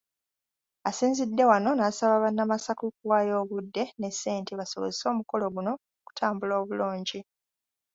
Asinzidde wano n’asaba bannamasaka okuwaayo obudde ne ssente basobozese omukolo guno okutambula obulungi.